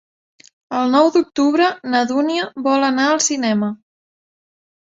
El nou d'octubre na Dúnia vol anar al cinema.